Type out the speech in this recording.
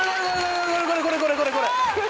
これこれこれこれ！